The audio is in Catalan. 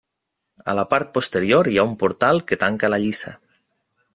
A la part posterior hi ha un portal que tanca la lliça.